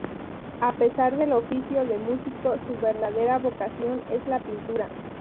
A pesar del oficio de músico, su verdadera vocación es la pintura.